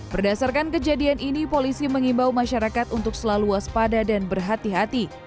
berdasarkan kejadian ini polisi mengimbau masyarakat untuk selalu waspada dan berhati hati